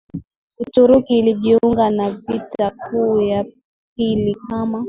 Uturuki ilijiunga na Vita Kuu ya pili kama